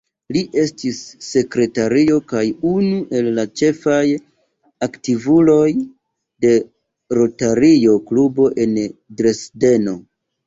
Li estis sekretario kaj unu el la ĉefaj aktivuloj de Rotario-klubo en Dresdeno.